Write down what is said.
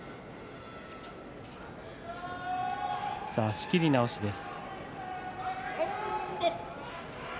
仕切り直しです。